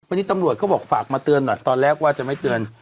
วันนี้ตำรวจเขาบอกฝากมาเตือนหน่อยตอนแรกว่าจะไม่เตือน